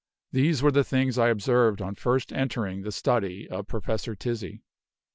These were the things I observed on first entering the study of Professor Tizzi.